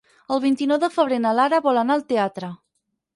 El vint-i-nou de febrer na Lara vol anar al teatre.